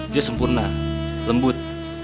dia sempurna lembut